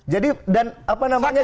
jadi dan apa namanya